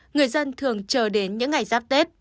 người dân thường chờ đến những ngày giáp tết